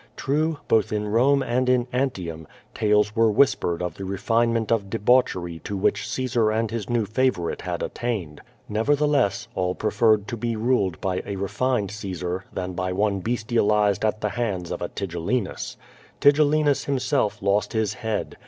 True, both in Rome andi in Antium, tales were whispered of the re finement of debauchery to which Caesar and his new favor ite had attained. Nevertheless, all preferred to be ruled by a refined Caesar than by one bestialized at the hands of a Ti gellinus. Tigellinus himself lost his head.